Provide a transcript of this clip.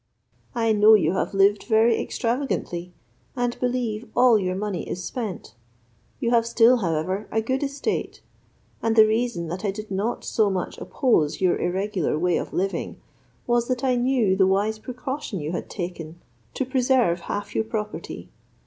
I know you have lived very extravagantly, and believe all your money is spent; you have still, however, a good estate; and the reason that I did not so much oppose your irregular way of living was, that I knew the wise precaution you had taken to preserve half your property.